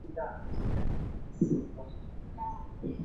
kia kila la heri katika kusherekea sikuku ya noweli pamoja